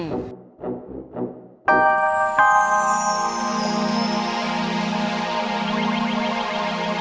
sampai jumpa di video selanjutnya